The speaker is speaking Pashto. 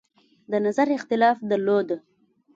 د نظر اختلاف درلود.